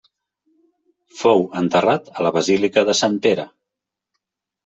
Fou enterrat a la Basílica de Sant Pere.